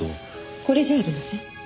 これじゃありません？